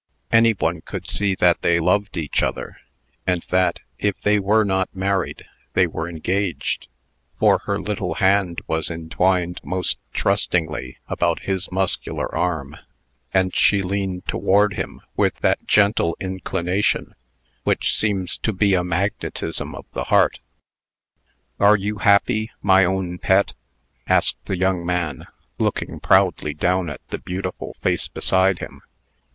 Any one could see that they loved each other, and that, if they were not married, they were engaged for her little hand was entwined most trustingly about his muscular arm, and she leaned toward him with that gentle inclination which seems to be a magnetism of the heart. "Are you happy, my own Pet?" asked the young man, looking proudly down at the beautiful face beside him.